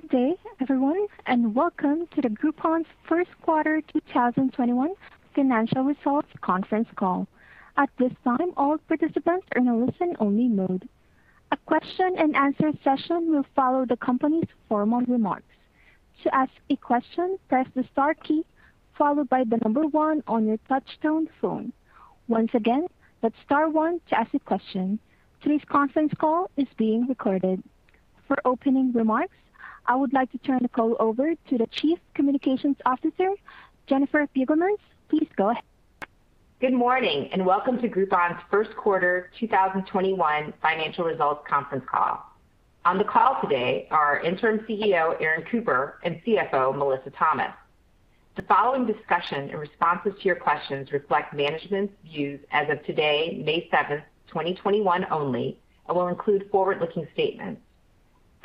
Good day, everyone. Welcome to Groupon's First Quarter 2021 Financial Results Conference Call. At this time, all participants are in a listen-only mode. A question-and-answer session will follow the company's formal remarks. To ask a question, press the star key, followed by the number one on your touch-tone phone. Once again, that's star one to ask a question. Today's conference call is being recorded. For opening remarks, I would like to turn the call over to the Chief Communications Officer, Jennifer Beugelmans. Please go ahead. Good morning, and welcome to Groupon's first quarter 2021 financial results conference call. On the call today are Interim CEO, Aaron Cooper, and CFO, Melissa Thomas. The following discussion and responses to your questions reflect management's views as of today, May 7th, 2021, only, will include forward-looking statements.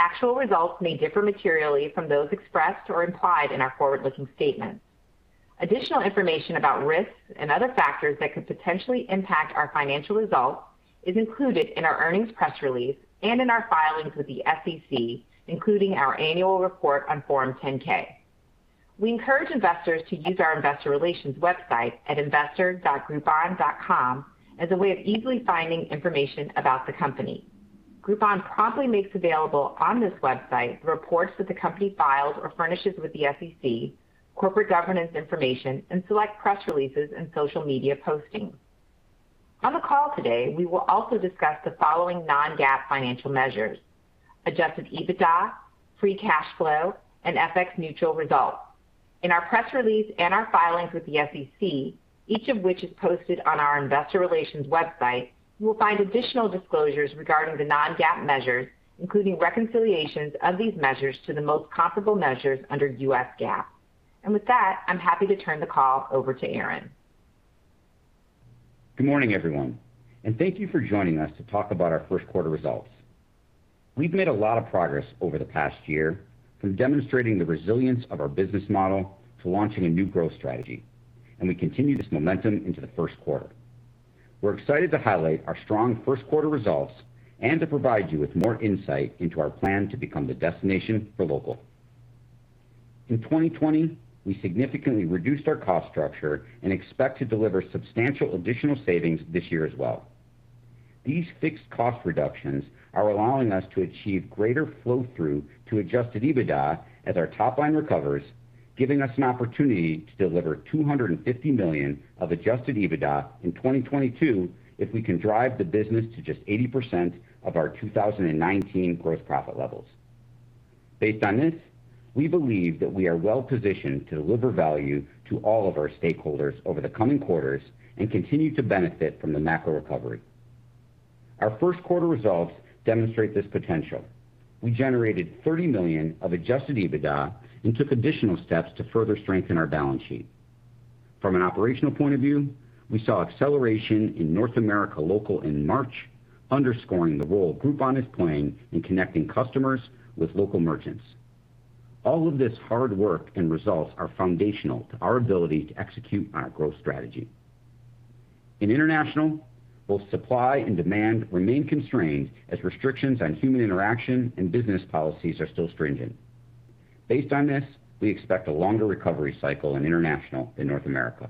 Actual results may differ materially from those expressed or implied in our forward-looking statements. Additional information about risks and other factors that could potentially impact our financial results is included in our earnings press release and in our filings with the SEC, including our annual report on Form 10-K. We encourage investors to use our investor relations website at investor.groupon.com as a way of easily finding information about the company. Groupon promptly makes available on this website reports that the company files or furnishes with the SEC, corporate governance information, and select press releases and social media postings. On the call today, we will also discuss the following non-GAAP financial measures: Adjusted EBITDA, Free Cash Flow, and FX neutral results. In our press release and our filings with the SEC, each of which is posted on investor relation website, you will find additional disclosures regarding the non-GAAP measures, including reconciliations of these measures to the most comparable measures under U.S. GAAP. With that, I'm happy to turn the call over to Aaron Cooper. Good morning, everyone, and thank you for joining us to talk about our first quarter results. We've made a lot of progress over the past year from demonstrating the resilience of our business model to launching a new growth strategy, and we continue this momentum into the first quarter. We're excited to highlight our strong first quarter results and to provide you with more insight into our plan to become the destination for local. In 2020, we significantly reduced our cost structure and expect to deliver substantial additional savings this year as well. These fixed cost reductions are allowing us to achieve greater flow-through to adjusted EBITDA as our top line recovers, giving us an opportunity to deliver $250 million of adjusted EBITDA in 2022 if we can drive the business to just 80% of our 2019 gross profit levels. Based on this, we believe that we are well-positioned to deliver value to all of our stakeholders over the coming quarters and continue to benefit from the macro recovery. Our first quarter results demonstrate this potential. We generated $30 million of adjusted EBITDA and took additional steps to further strengthen our balance sheet. From an operational point of view, we saw acceleration in North America local in March, underscoring the role Groupon is playing in connecting customers with local merchants. All of this hard work and results are foundational to our ability to execute on our growth strategy. In international, both supply and demand remain constrained as restrictions on human interaction and business policies are still stringent. Based on this, we expect a longer recovery cycle in international than North America.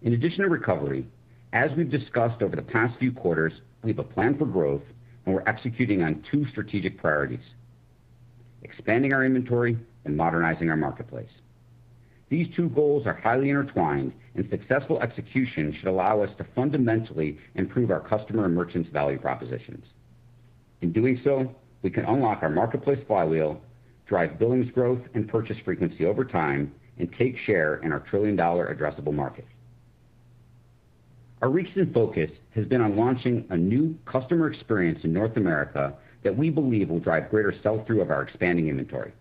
In addition to recovery, as we've discussed over the past few quarters, we have a plan for growth. We're executing on two strategic priorities, expanding our inventory and modernizing our marketplace. These two goals are highly intertwined. Successful execution should allow us to fundamentally improve our customer and merchants' value propositions. In doing so, we can unlock our marketplace flywheel, drive billings growth and purchase frequency over time. Take share in our trillion-dollar addressable market. Our recent focus has been on launching a new customer experience in North America that we believe will drive greater sell-through of our expanding inventory.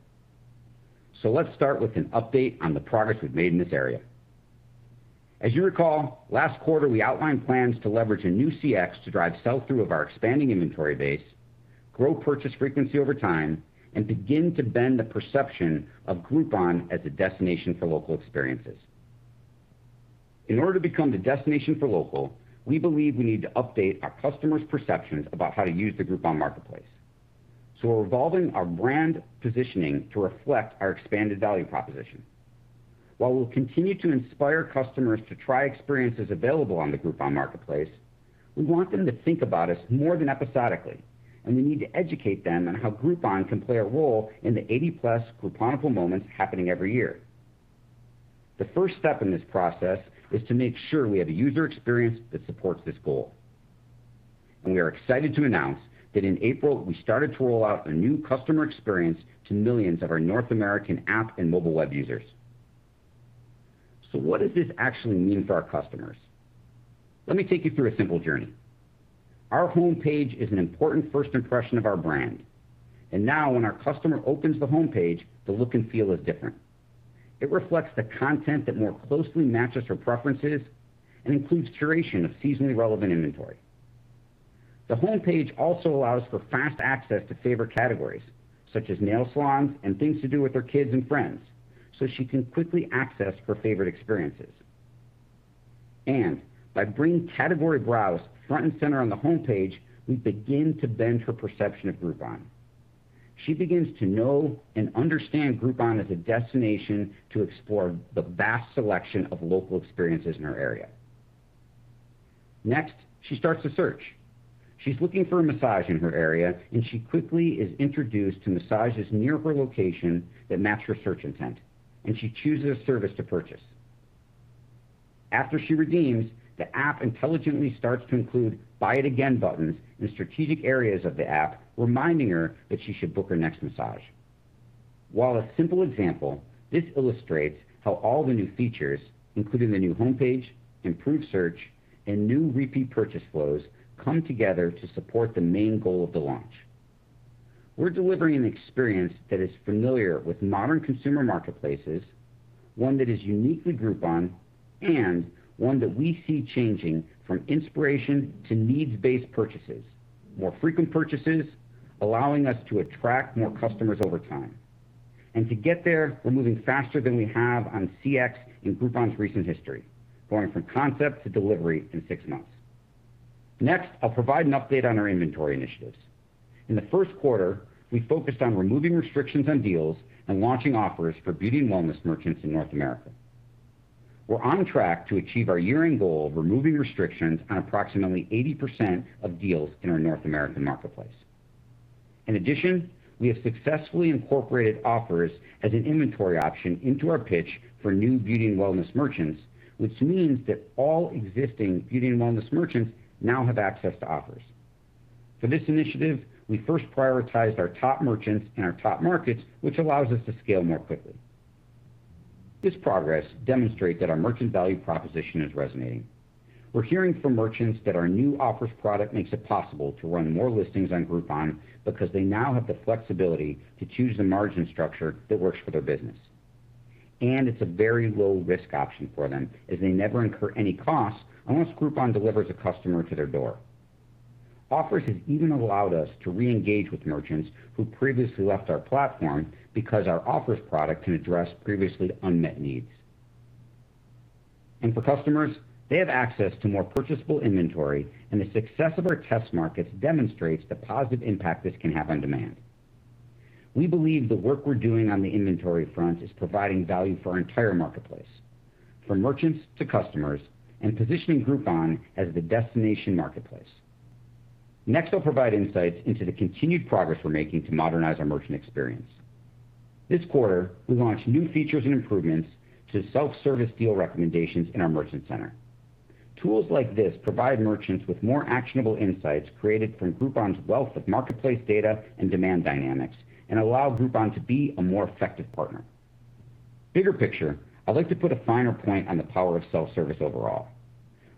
Let's start with an update on the progress we've made in this area. As you recall, last quarter, we outlined plans to leverage a new CX to drive sell-through of our expanding inventory base, grow purchase frequency over time, and begin to bend the perception of Groupon as a destination for local experiences. In order to become the destination for local, we believe we need to update our customers' perceptions about how to use the Groupon marketplace. We're evolving our brand positioning to reflect our expanded value proposition. While we'll continue to inspire customers to try experiences available on the Groupon marketplace, we want them to think about us more than episodically, and we need to educate them on how Groupon can play a role in the 80+ Grouponable moments happening every year. The first step in this process is to make sure we have a user experience that supports this goal. We are excited to announce that in April, we started to roll out a new customer experience to millions of our North American app and mobile web users. What does this actually mean for our customers? Let me take you through a simple journey. Our homepage is an important first impression of our brand. Now when our customer opens the homepage, the look and feel is different. It reflects the content that more closely matches her preferences and includes curation of seasonally relevant inventory. The homepage also allows for fast access to favorite categories, such as nail salons and Things to Do with her kids and friends, so she can quickly access her favorite experiences. By bringing category browse front and center on the homepage, we begin to bend her perception of Groupon. She begins to know and understand Groupon as a destination to explore the vast selection of local experiences in her area. Next, she starts to search. She's looking for a massage in her area, and she quickly is introduced to massages near her location that match her search intent, and she chooses a service to purchase. After she redeems, the app intelligently starts to include Buy It Again buttons in strategic areas of the app, reminding her that she should book her next massage. While a simple example, this illustrates how all the new features, including the new homepage, improved search, and new repeat purchase flows, come together to support the main goal of the launch. We're delivering an experience that is familiar with modern consumer marketplaces, one that is uniquely Groupon, and one that we see changing from inspiration to needs-based purchases, more frequent purchases, allowing us to attract more customers over time. To get there, we're moving faster than we have on CX in Groupon's recent history, going from concept to delivery in six months. Next, I'll provide an update on our inventory initiatives. In the first quarter, we focused on removing restrictions on deals and launching Offers for beauty and wellness merchants in North America. We're on track to achieve our year-end goal of removing restrictions on approximately 80% of deals in our North American marketplace. In addition, we have successfully incorporated Offers as an inventory option into our pitch for new beauty and wellness merchants, which means that all existing beauty and wellness merchants now have access to Offers. For this initiative, we first prioritized our top merchants and our top markets, which allows us to scale more quickly. This progress demonstrates that our merchant value proposition is resonating. We're hearing from merchants that our new Offers product makes it possible to run more listings on Groupon because they now have the flexibility to choose the margin structure that works for their business. It's a very low-risk option for them, as they never incur any costs unless Groupon delivers a customer to their door. Offers has even allowed us to reengage with merchants who previously left our platform because our Offers product can address previously unmet needs. For customers, they have access to more purchasable inventory, and the success of our test markets demonstrates the positive impact this can have on demand. We believe the work we're doing on the inventory front is providing value for our entire marketplace, from merchants to customers, and positioning Groupon as the destination marketplace. Next, I'll provide insights into the continued progress we're making to modernize our merchant experience. This quarter, we launched new features and improvements to self-service deal recommendations in our Merchant Center. Tools like this provide merchants with more actionable insights created from Groupon's wealth of marketplace data and demand dynamics and allow Groupon to be a more effective partner. Bigger picture, I'd like to put a finer point on the power of self-service overall.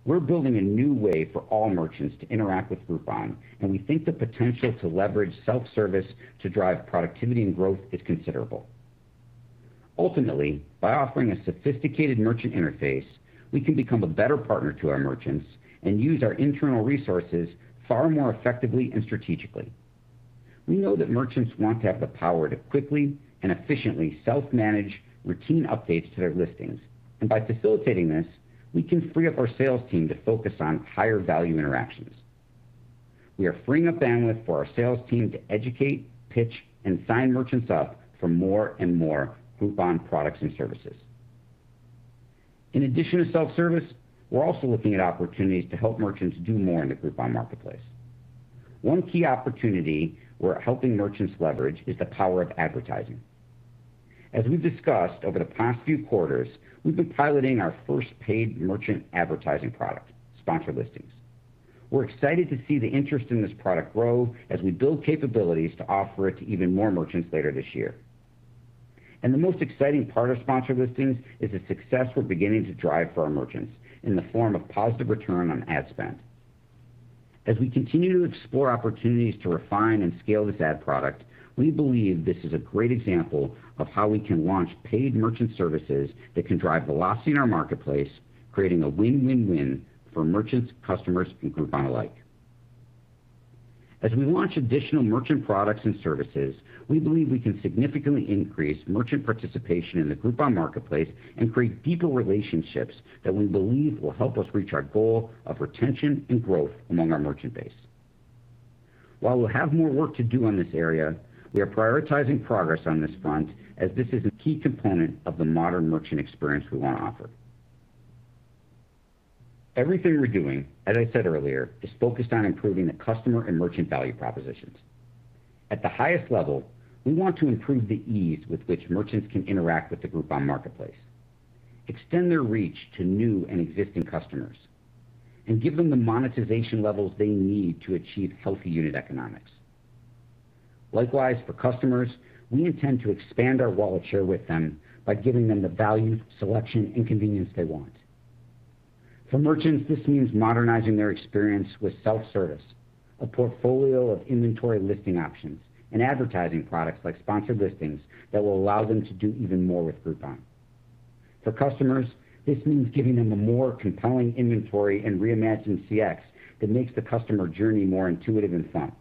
We're building a new way for all merchants to interact with Groupon, and we think the potential to leverage self-service to drive productivity and growth is considerable. Ultimately, by offering a sophisticated merchant interface, we can become a better partner to our merchants and use our internal resources far more effectively and strategically. We know that merchants want to have the power to quickly and efficiently self-manage routine updates to their listings. By facilitating this, we can free up our sales team to focus on higher-value interactions. We are freeing up bandwidth for our sales team to educate, pitch, and sign merchants up for more and more Groupon products and services. In addition to self-service, we're also looking at opportunities to help merchants do more in the Groupon marketplace. One key opportunity we're helping merchants leverage is the power of advertising. As we've discussed over the past few quarters, we've been piloting our first paid merchant advertising product, Sponsored Listings. We're excited to see the interest in this product grow as we build capabilities to offer it to even more merchants later this year. The most exciting part of Sponsored Listings is the success we're beginning to drive for our merchants in the form of positive return on ad spend. As we continue to explore opportunities to refine and scale this ad product, we believe this is a great example of how we can launch paid merchant services that can drive velocity in our marketplace, creating a win-win-win for merchants, customers, and Groupon alike. As we launch additional merchant products and services, we believe we can significantly increase merchant participation in the Groupon marketplace and create deeper relationships that we believe will help us reach our goal of retention and growth among our merchant base. While we'll have more work to do in this area, we are prioritizing progress on this front, as this is a key component of the modern merchant experience we want to offer. Everything we're doing, as I said earlier, is focused on improving the customer and merchant value propositions. At the highest level, we want to improve the ease with which merchants can interact with the Groupon marketplace, extend their reach to new and existing customers, and give them the monetization levels they need to achieve healthy unit economics. Likewise, for customers, we intend to expand our wallet share with them by giving them the value, selection, and convenience they want. For merchants, this means modernizing their experience with self-service, a portfolio of inventory listing options, and advertising products like Sponsored Listings that will allow them to do even more with Groupon. For customers, this means giving them a more compelling inventory and reimagined CX that makes the customer journey more intuitive and fun.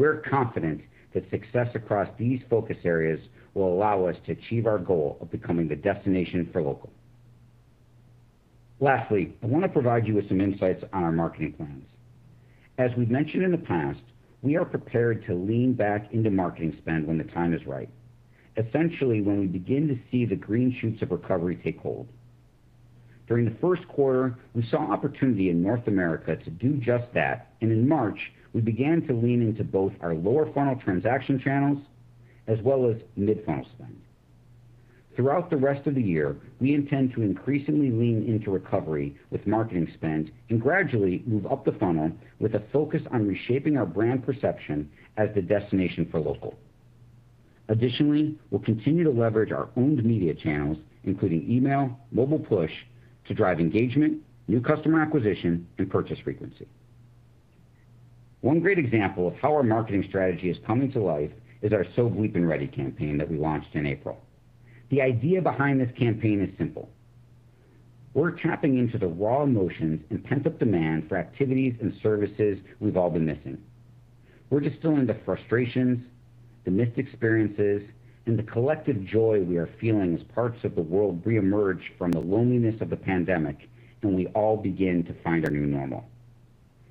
We're confident that success across these focus areas will allow us to achieve our goal of becoming the destination for local. Lastly, I want to provide you with some insights on our marketing plans. As we've mentioned in the past, we are prepared to lean back into marketing spend when the time is right, essentially when we begin to see the green shoots of recovery take hold. During the first quarter, we saw opportunity in North America to do just that, and in March, we began to lean into both our lower-funnel transaction channels as well as mid-funnel spend. Throughout the rest of the year, we intend to increasingly lean into recovery with marketing spend and gradually move up the funnel with a focus on reshaping our brand perception as the destination for local. Additionally, we'll continue to leverage our owned media channels, including email, mobile push to drive engagement, new customer acquisition, and purchase frequency. One great example of how our marketing strategy is coming to life is our So #@$%ing Ready! campaign that we launched in April. The idea behind this campaign is simple. We're tapping into the raw emotions and pent-up demand for activities and services we've all been missing. We're distilling the frustrations, the missed experiences, and the collective joy we are feeling as parts of the world reemerge from the loneliness of the pandemic, and we all begin to find our new normal.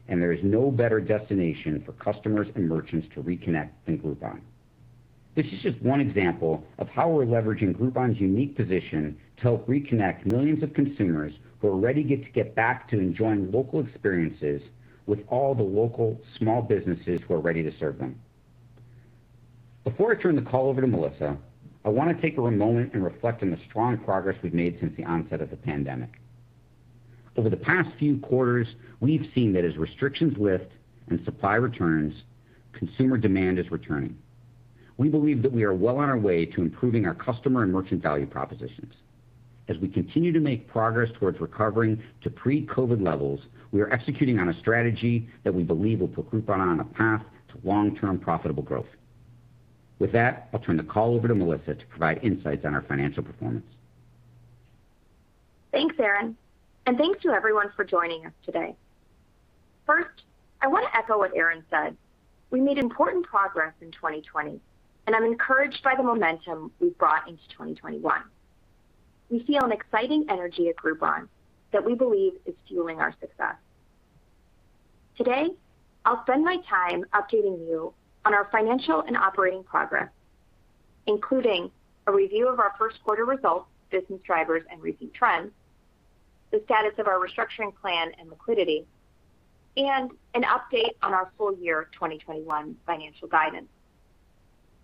There is no better destination for customers and merchants to reconnect than Groupon. This is just one example of how we're leveraging Groupon's unique position to help reconnect millions of consumers who are ready to get back to enjoying local experiences with all the local small businesses who are ready to serve them. Before I turn the call over to Melissa, I want to take a moment and reflect on the strong progress we've made since the onset of the pandemic. Over the past few quarters, we've seen that as restrictions lift and supply returns, consumer demand is returning. We believe that we are well on our way to improving our customer and merchant value propositions. As we continue to make progress towards recovering to pre-COVID levels, we are executing on a strategy that we believe will put Groupon on a path to long-term profitable growth. With that, I'll turn the call over to Melissa to provide insights on our financial performance. Thanks, Aaron, and thanks to everyone for joining us today. First, I want to echo what Aaron said. We made important progress in 2020, and I'm encouraged by the momentum we've brought into 2021. We feel an exciting energy at Groupon that we believe is fueling our success. Today, I'll spend my time updating you on our financial and operating progress, including a review of our first quarter results, business drivers, and recent trends, the status of our restructuring plan and liquidity, and an update on our full year 2021 financial guidance.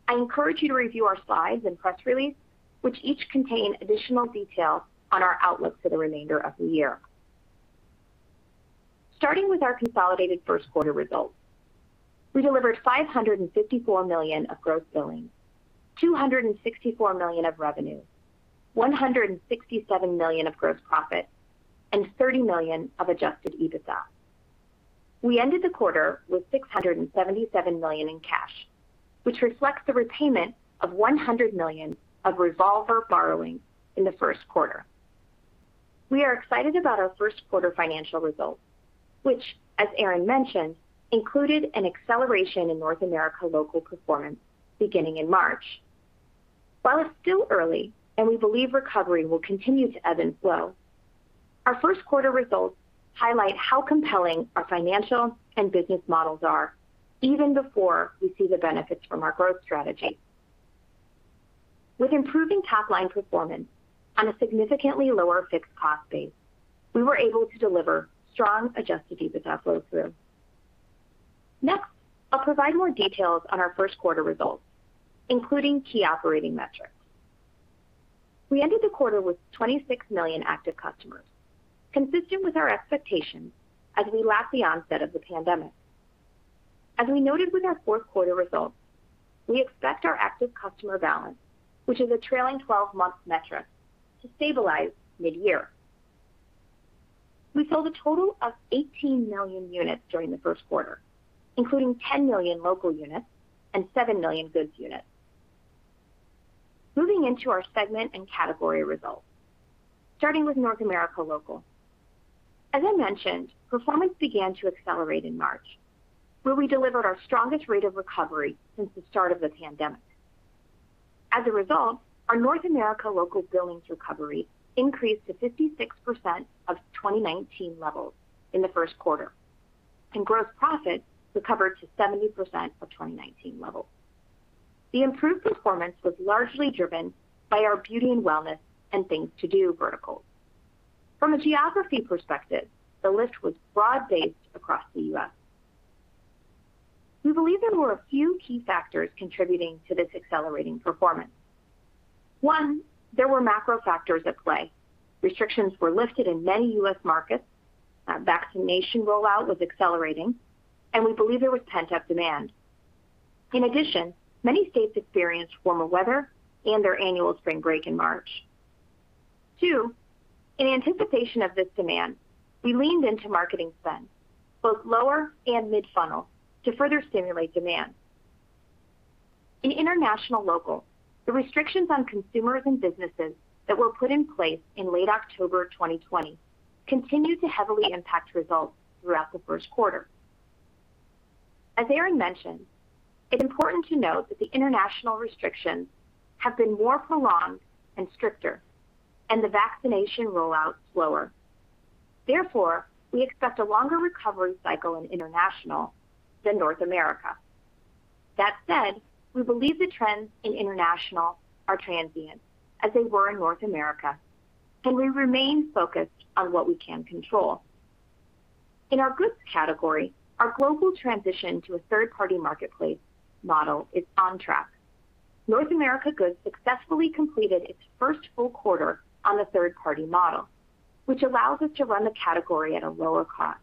I encourage you to review our slides and press release, which each contain additional details on our outlook for the remainder of the year. Starting with our consolidated first quarter results, we delivered $554 million of gross billings, $264 million of revenue, $167 million of gross profit, and $30 million of adjusted EBITDA. We ended the quarter with $677 million in cash, which reflects the repayment of $100 million of revolver borrowing in the first quarter. We are excited about our first quarter financial results, which, as Aaron mentioned, included an acceleration in North America local performance beginning in March. While it's still early and we believe recovery will continue to ebb and flow, our first quarter results highlight how compelling our financial and business models are even before we see the benefits from our growth strategy. With improving top-line performance on a significantly lower fixed cost base, we were able to deliver strong adjusted EBITDA flow-through. Next, I'll provide more details on our first quarter results, including key operating metrics. We ended the quarter with 26 million active customers, consistent with our expectations as we lap the onset of the pandemic. As we noted with our fourth quarter results, we expect our active customer balance, which is a trailing 12-month metric, to stabilize mid-year. We sold a total of 18 million units during the first quarter, including 10 million local units and 7 million goods units. Moving into our segment and category results, starting with North America local. As I mentioned, performance began to accelerate in March, where we delivered our strongest rate of recovery since the start of the pandemic. As a result, our North America local billings recovery increased to 56% of 2019 levels in the first quarter, and gross profit recovered to 70% of 2019 levels. The improved performance was largely driven by our beauty and wellness and Things to Do verticals. From a geography perspective, the lift was broad-based across the U.S. We believe there were a few key factors contributing to this accelerating performance. One, there were macro factors at play. Restrictions were lifted in many U.S. markets, vaccination rollout was accelerating, and we believe there was pent-up demand. In addition, many states experienced warmer weather and their annual spring break in March. Two, in anticipation of this demand, we leaned into marketing spend, both lower and mid-funnel, to further stimulate demand. In international local, the restrictions on consumers and businesses that were put in place in late October 2020 continued to heavily impact results throughout the first quarter. As Aaron mentioned, it's important to note that the international restrictions have been more prolonged and stricter, and the vaccination rollout slower. We expect a longer recovery cycle in international than North America. That said, we believe the trends in international are transient, as they were in North America, and we remain focused on what we can control. In our goods category, our global transition to a third-party marketplace model is on track. North America Goods successfully completed its first full quarter on the third-party model, which allows us to run the category at a lower cost.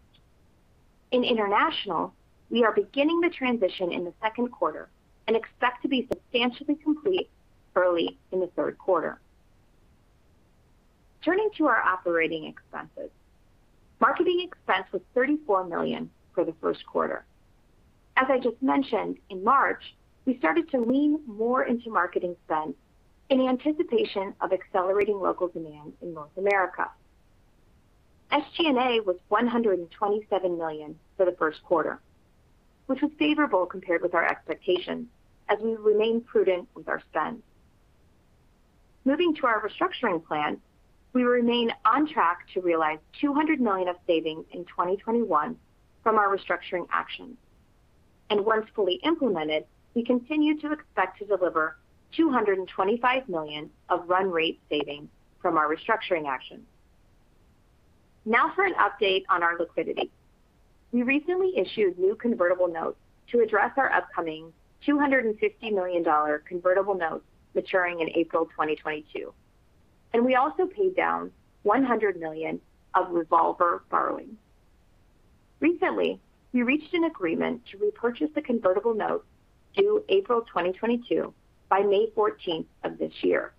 In international, we are beginning the transition in the second quarter and expect to be substantially complete early in the third quarter. Turning to our operating expenses. Marketing expense was $34 million for the first quarter. As I just mentioned, in March, we started to lean more into marketing spend in anticipation of accelerating local demand in North America. SG&A was $127 million for the first quarter, which was favorable compared with our expectations, as we remain prudent with our spend. Moving to our restructuring plan, we remain on track to realize $200 million of savings in 2021 from our restructuring actions. Once fully implemented, we continue to expect to deliver $225 million of run rate savings from our restructuring actions. For an update on our liquidity. We recently issued new convertible notes to address our upcoming $250 million convertible notes maturing in April 2022, and we also paid down $100 million of revolver borrowing. Recently, we reached an agreement to repurchase the convertible notes due April 2022 by May 14th of this year.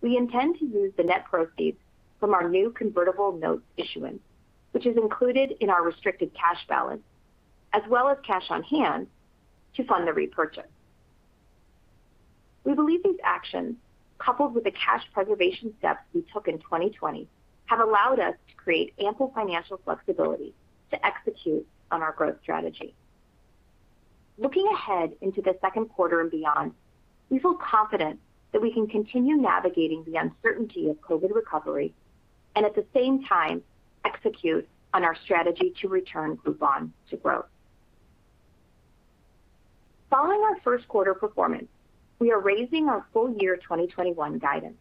We intend to use the net proceeds from our new convertible notes issuance, which is included in our restricted cash balance, as well as cash on hand to fund the repurchase. We believe these actions, coupled with the cash preservation steps we took in 2020, have allowed us to create ample financial flexibility to execute on our growth strategy. Looking ahead into the second quarter and beyond, we feel confident that we can continue navigating the uncertainty of COVID recovery, and at the same time, execute on our strategy to return Groupon to growth. Following our first quarter performance, we are raising our full year 2021 guidance.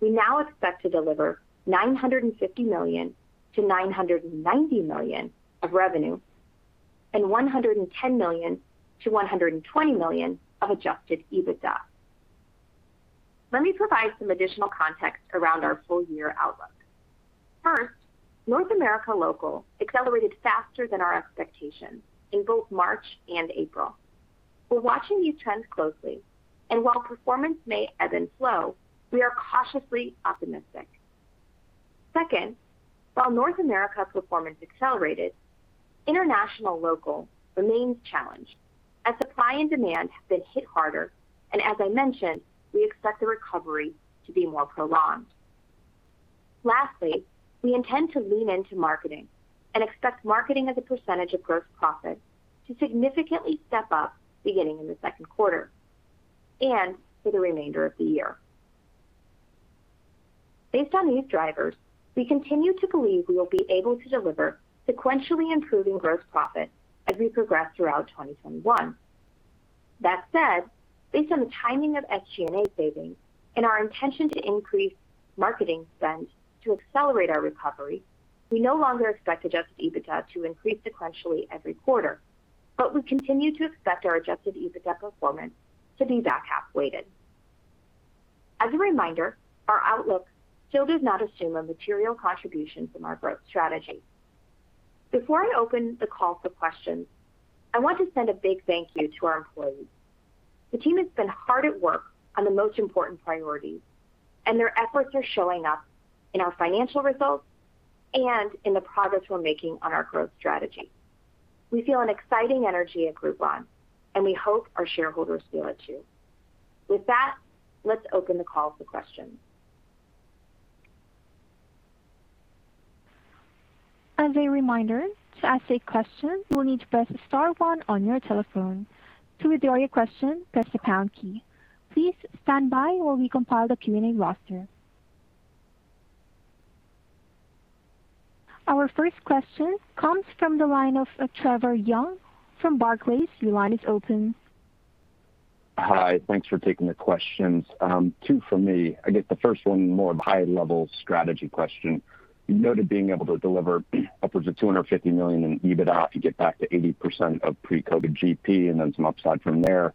We now expect to deliver $950 million-$990 million of revenue, and $110 million-$120 million of adjusted EBITDA. Let me provide some additional context around our full year outlook. First, North America Local accelerated faster than our expectations in both March and April. We're watching these trends closely, and while performance may ebb and flow, we are cautiously optimistic. Second, while North America performance accelerated, International Local remains challenged as supply and demand have been hit harder, and as I mentioned, we expect the recovery to be more prolonged. Lastly, we intend to lean into marketing and expect marketing as a percentage of gross profit to significantly step up beginning in the second quarter and for the remainder of the year. Based on these drivers, we continue to believe we will be able to deliver sequentially improving gross profit as we progress throughout 2021. Based on the timing of SG&A savings and our intention to increase marketing spend to accelerate our recovery, we no longer expect adjusted EBITDA to increase sequentially every quarter, but we continue to expect our adjusted EBITDA performance to be back half weighted. As a reminder, our outlook still does not assume a material contribution from our growth strategy. Before I open the call for questions, I want to send a big thank you to our employees. The team has been hard at work on the most important priorities, and their efforts are showing up in our financial results and in the progress, we're making on our growth strategy. We feel an exciting energy at Groupon, and we hope our shareholders feel it too. With that, let's open the call for questions. As a reminder, to ask a question, you will need to press star one on your telephone. To withdraw your question, press the pound key. Please stand by while we compile the Q&A roster. Our first question comes from the line of Trevor Young from Barclays. Your line is open. Hi. Thanks for taking the questions. Two from me. I guess the first one more of a high-level strategy question. You noted being able to deliver upwards of $250 million in EBITDA to get back to 80% of pre-COVID GP and then some upside from there.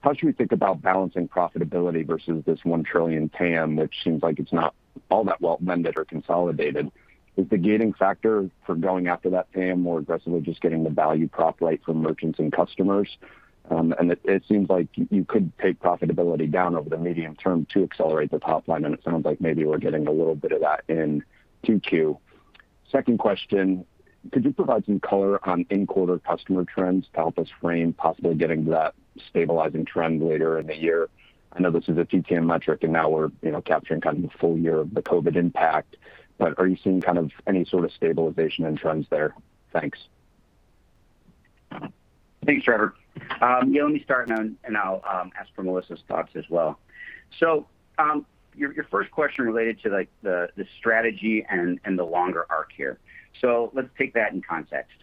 How should we think about balancing profitability versus this $1 trillion TAM that seems like it's not all that well mended or consolidated? Is the gaining factor for going after that TAM more aggressively just getting the value prop right for merchants and customers? It seems like you could take profitability down over the medium term to accelerate the top line, and it sounds like maybe we're getting a little bit of that in 2Q. Second question, could you provide some color on in-quarter customer trends to help us frame possibly getting to that stabilizing trend later in the year? I know this is a TTM metric, and now we're capturing kind of the full year of the COVID impact, but are you seeing any sort of stabilization in trends there? Thanks. Thanks, Trevor. Yeah, let me start, and I'll ask for Melissa's thoughts as well. Your first question related to the strategy and the longer arc here. Let's take that in context.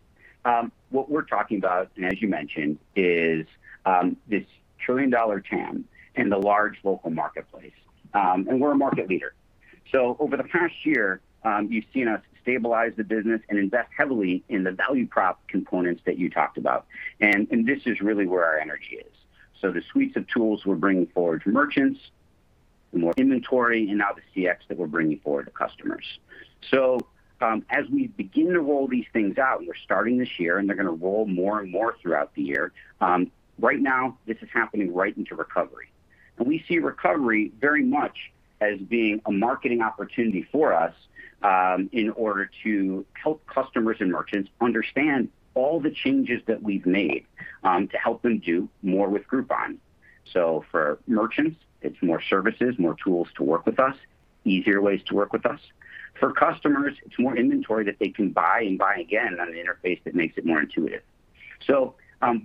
What we're talking about, and as you mentioned, is this trillion-dollar TAM in the large local marketplace. We're a market leader. Over the past year, you've seen us stabilize the business and invest heavily in the value prop components that you talked about. This is really where our energy is. The suites of tools we're bringing forward to merchants, the more inventory and now the CX that we're bringing forward to customers. As we begin to roll these things out, we're starting this year, and they're going to roll more and more throughout the year. Right now, this is happening right into recovery. We see recovery very much as being a marketing opportunity for us in order to help customers and merchants understand all the changes that we've made to help them do more with Groupon. For merchants, it's more services, more tools to work with us, easier ways to work with us. For customers, it's more inventory that they can Buy It Again on an interface that makes it more intuitive.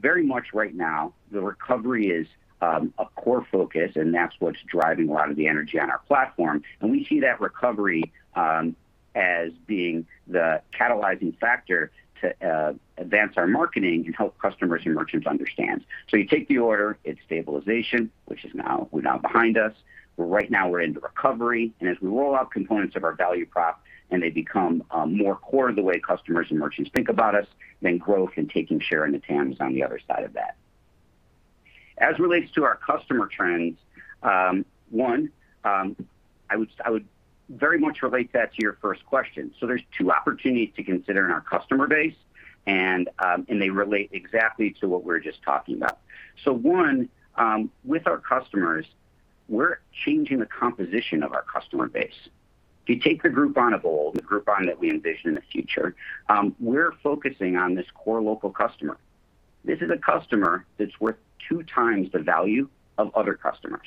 Very much right now, the recovery is a core focus, and that's what's driving a lot of the energy on our platform. We see that recovery as being the catalyzing factor to advance our marketing and help customers and merchants understand. You take the order, it's stabilization, which is now behind us. Right now, we're into recovery, and as we roll out components of our value prop and they become more core to the way customers and merchants think about us, then growth and taking share in the TAM is on the other side of that. As relates to our customer trends, one, I would very much relate that to your first question. There's two opportunities to consider in our customer base, and they relate exactly to what we were just talking about. One, with our customers, we're changing the composition of our customer base. If you take the Groupon of old, the Groupon that we envision in the future, we're focusing on this core local customer. This is a customer that's worth 2x the value of other customers.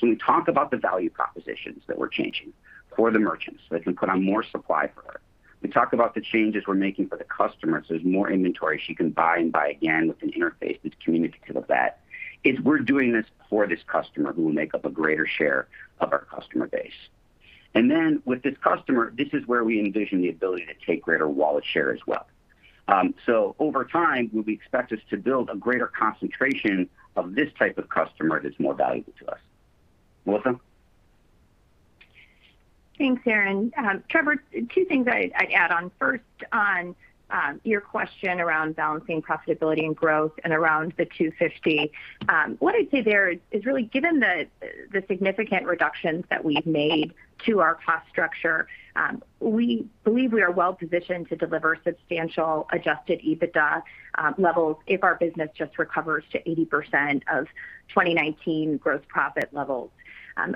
When you talk about the value propositions that we're changing for the merchants, so they can put on more supply for her. We talk about the changes we're making for the customer, so there's more inventory she can buy and Buy It Again with an interface that's communicative of that. It's we're doing this for this customer who will make up a greater share of our customer base. Then with this customer, this is where we envision the ability to take greater wallet share as well. Over time, we'll be expected to build a greater concentration of this type of customer that's more valuable to us. Melissa? Thanks, Aaron. Trevor, two things I'd add on. First, on your question around balancing profitability and growth and around the $250 millions. What I'd say there is really given the significant reductions that we've made to our cost structure, we believe we are well-positioned to deliver substantial Adjusted EBITDA levels if our business just recovers to 80% of 2019 gross profit levels.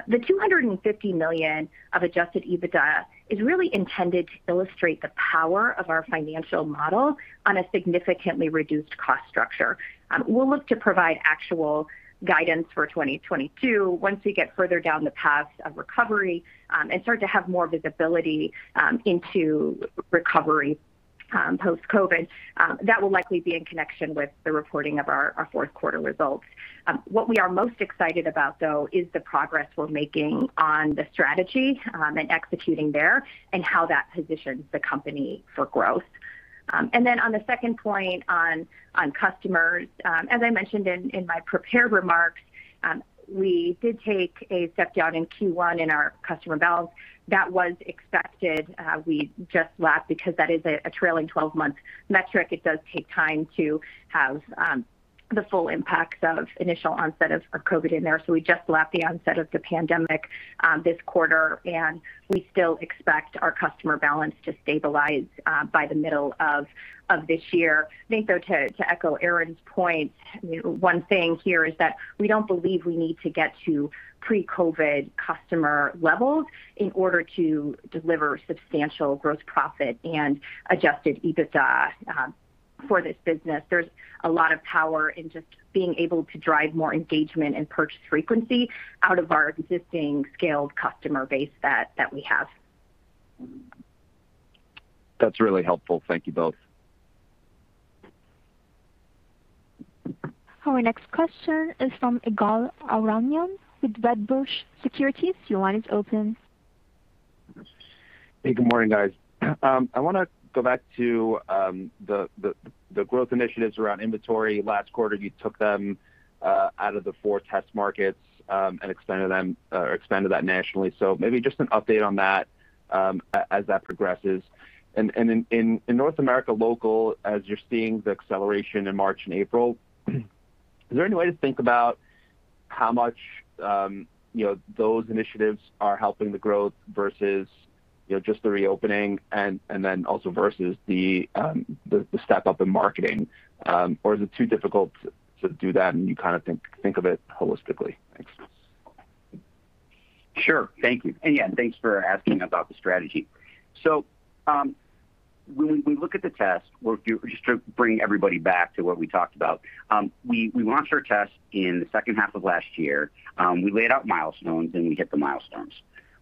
The $250 million of adjusted EBITDA is really intended to illustrate the power of our financial model on a significantly reduced cost structure. We'll look to provide actual guidance for 2022 once we get further down the path of recovery and start to have more visibility into recovery post-COVID. That will likely be in connection with the reporting of our fourth quarter results. What we are most excited about, though, is the progress we're making on the strategy and executing there, and how that positions the company for growth. On the second point on customers, as I mentioned in my prepared remarks, we did take a step down in Q1 in our customer balance. That was expected. We just lapped because that is a trailing 12-month metric. It does take time to have the full impact of initial onset of COVID in there. We just lapped the onset of the pandemic this quarter, and we still expect our customer balance to stabilize by the middle of this year. I think, though, to echo Aaron's point, one thing here is that we don't believe we need to get to pre-COVID customer levels in order to deliver substantial gross profit and adjusted EBITDA for this business. There's a lot of power in just being able to drive more engagement and purchase frequency out of our existing scaled customer base that we have. That's really helpful. Thank you both. Our next question is from Ygal Arounian with Wedbush Securities. Your line is open. Hey, good morning, guys. I want to go back to the growth initiatives around inventory. Last quarter, you took them out of the four test markets and expanded that nationally. Maybe just an update on that as that progresses. In North America local, as you're seeing the acceleration in March and April, is there any way to think about how much those initiatives are helping the growth versus just the reopening and then also versus the step-up in marketing? Is it too difficult to do that, and you kind of think of it holistically? Thanks. Sure. Thank you. Yeah, thanks for asking about the strategy. When we look at the test, just to bring everybody back to what we talked about, we launched our test in the second half of last year. We laid out milestones, and we hit the milestones.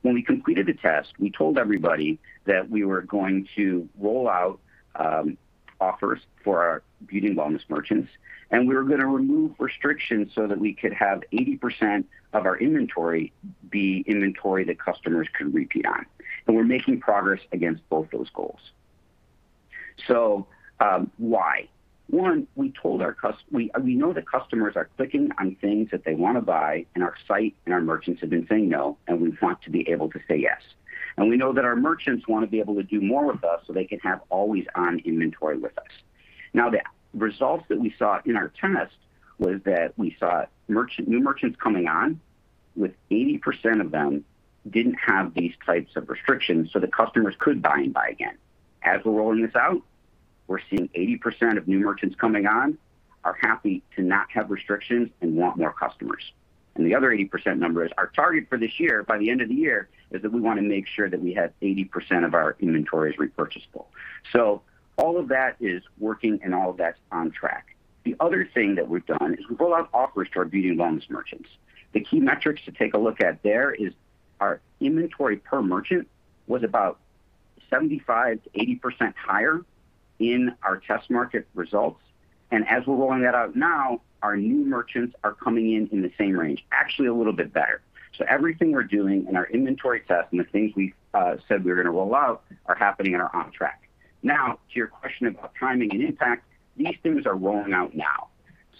When we completed the test, we told everybody that we were going to roll out Offers for our beauty and wellness merchants, and we were going to remove restrictions so that we could have 80% of our inventory be inventory that customers could repeat on. We're making progress against both those goals. Why? One, we know that customers are clicking on things that they want to buy in our site, and our merchants have been saying no, and we want to be able to say yes. We know that our merchants want to be able to do more with us so they can have always-on inventory with us. Now, the results that we saw in our test was that we saw new merchants coming on with 80% of them didn't have these types of restrictions, so the customers could buy and buy again. We're rolling this out, we're seeing 80% of new merchants coming on are happy to not have restrictions and want more customers. The other 80% number is our target for this year, by the end of the year, is that we want to make sure that we have 80% of our inventory is repurchasable. All of that is working and all of that's on track. The other thing that we've done is we've rolled out Offers to our beauty and wellness merchants. The key metrics to take a look at there is our inventory per merchant was about 75%-80% higher in our test market results. As we're rolling that out now, our new merchants are coming in in the same range, actually a little bit better. Everything we're doing in our inventory test and the things we've said we were going to roll out are happening and are on track. Now, to your question about timing and impact, these things are rolling out now.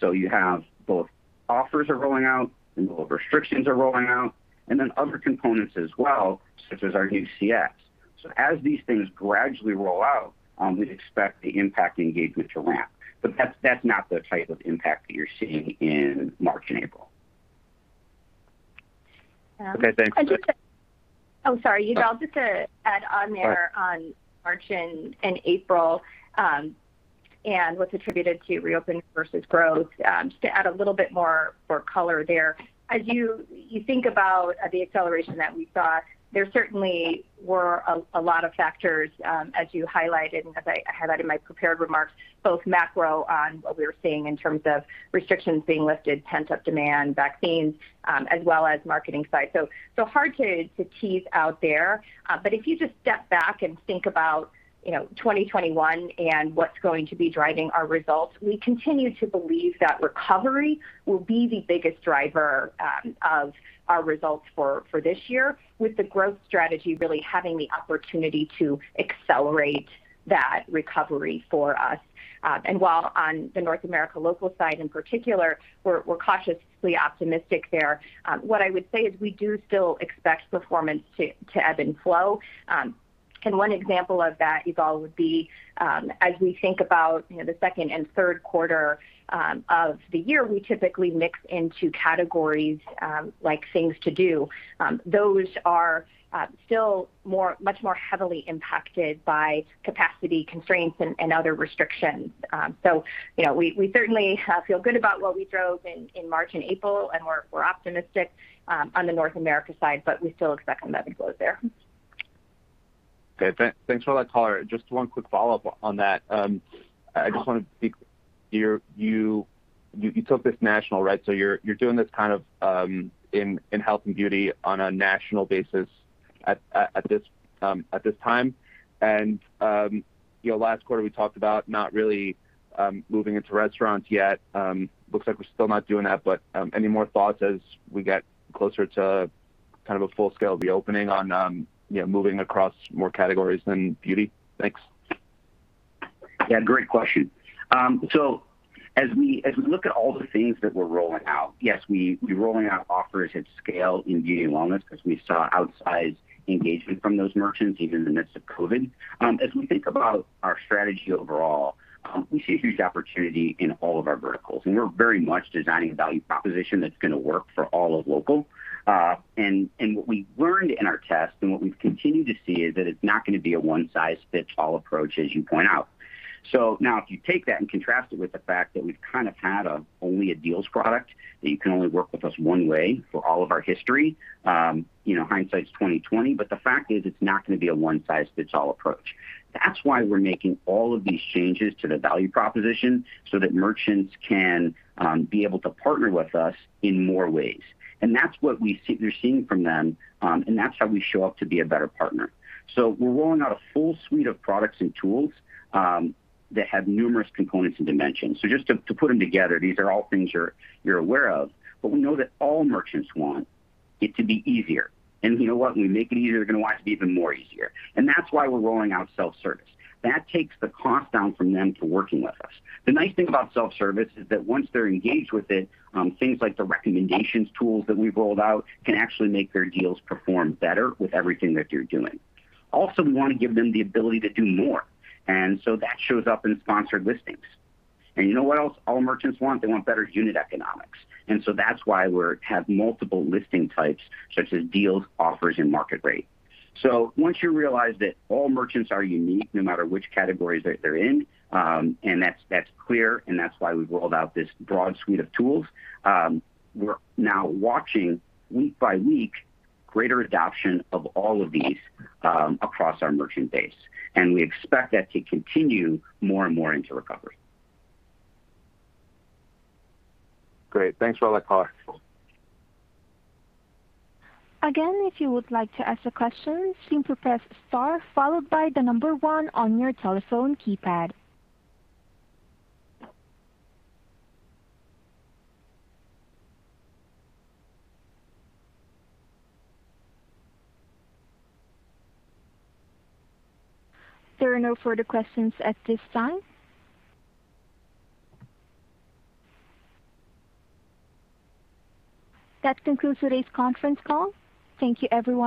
You have both Offers are rolling out and restrictions are rolling out, and then other components as well, such as our new CS. As these things gradually roll out, we expect the impact engagement to ramp. That's not the type of impact that you're seeing in March and April. Okay, thanks. Oh, sorry, Ygal, just to add on there on March and April, and what's attributed to reopening versus growth. Just to add a little bit more color there. As you think about the acceleration that we saw, there certainly were a lot of factors, as you highlighted, and as I highlighted in my prepared remarks, both macro on what we were seeing in terms of restrictions being lifted, pent-up demand, vaccines, as well as marketing side. Hard to tease out there. If you just step back and think about 2021 and what's going to be driving our results, we continue to believe that recovery will be the biggest driver of our results for this year, with the growth strategy really having the opportunity to accelerate that recovery for us. While on the North America local side in particular, we're cautiously optimistic there. What I would say is we do still expect performance to ebb and flow. One example of that, Ygal, would be as we think about the second and third quarter of the year, we typically mix in two categories, like Things to Do. Those are still much more heavily impacted by capacity constraints and other restrictions. We certainly feel good about what we drove in March and April, and we're optimistic on the North America side, but we still expect an ebb and flow there. Okay. Thanks for all that color. Just one quick follow-up on that. I just want to be clear. You took this national, right? You're doing this kind of in beauty and wellness on a national basis at this time. Last quarter, we talked about not really moving into restaurants yet. Looks like we're still not doing that, any more thoughts as we get closer to kind of a full-scale reopening on moving across more categories than beauty? Thanks. Yeah, great question. As we look at all the things that we're rolling out, yes, we're rolling out offers at scale in beauty and wellness because we saw outsized engagement from those merchants even in the midst of COVID. As we think about our strategy overall, we see a huge opportunity in all of our verticals. We're very much designing a value proposition that's going to work for all of local. What we learned in our test and what we've continued to see is that it's not going to be a one size fits all approach, as you point out. Now if you take that and contrast it with the fact that we've kind of had only a deals product, that you can only work with us one way for all of our history. Hindsight is 2020, the fact is it's not going to be a one size fits all approach. That's why we're making all of these changes to the value proposition so that merchants can be able to partner with us in more ways. That's what we're seeing from them, and that's how we show up to be a better partner. We're rolling out a full suite of products and tools that have numerous components and dimensions. Just to put them together, these are all things you're aware of. We know that all merchants want it to be easier. You know what? When we make it easier, they're going to want it to be even more easier. That's why we're rolling out self-service. That takes the cost down from them for working with us. The nice thing about self-service is that once they're engaged with it, things like the recommendations tools that we've rolled out can actually make their deals perform better with everything that you're doing. We want to give them the ability to do more, and so that shows up in Sponsored Listings. You know what else all merchants want? They want better unit economics. That's why we have multiple listing types, such as deals, Offers, and Market Rate. Once you realize that all merchants are unique, no matter which categories that they're in, and that's clear, and that's why we've rolled out this broad suite of tools. We're now watching week by week greater adoption of all of these across our merchant base, and we expect that to continue more and more into recovery. Great. Thanks for all that color. Again, if you would like to ask a question, you should press star followed by the number one on your telephone keypad. There are no further questions at this time. That concludes today's conference call. Thank you, everyone.